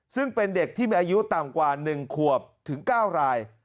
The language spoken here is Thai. ซึ่งเป็นเด็กที่มีอายุต่ำกว่า๑ขวบถึง๙ราย